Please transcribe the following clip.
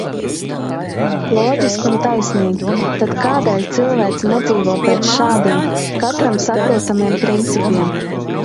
Loģiski un taisnīgi. Tad kādēļ cilvēce nedzīvo pēc šādiem, katram saprotamiem principiem?